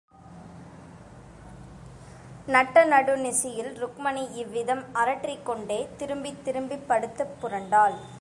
நட்ட நடு நிசியில் ருக்மிணி இவ்விதம் அரற்றிக் கொண்டே திரும்பித் திரும்பிப் படுத்துப் புரண்டாள்.